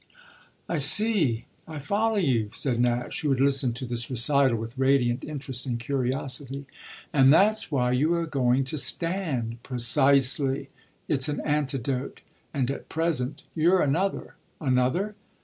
"I see, I follow you," said Nash, who had listened to this recital with radiant interest and curiosity. "And that's why you are going to stand." "Precisely it's an antidote. And at present you're another." "Another?"